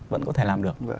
vẫn có thể làm được